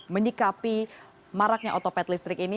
menyikapi maraknya otopet listrik ini